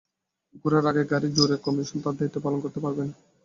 ঘোড়ার আগে গাড়ি জুড়ে কমিশন তার দায়িত্ব পালন করতে পারবে না।